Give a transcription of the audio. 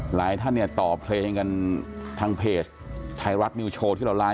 หลายท่านต่อเพลงกันทางเพจไทยรัฐมิวโชว์